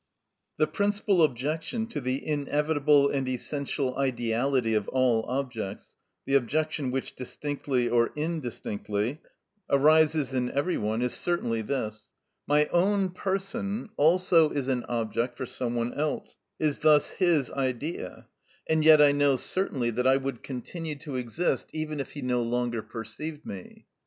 The principal objection to the inevitable and essential ideality of all objects, the objection which, distinctly or indistinctly, arises in every one, is certainly this: My own person also is an object for some one else, is thus his idea, and yet I know certainly that I would continue to exist even if he no longer perceived me.